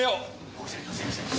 申し訳ございません。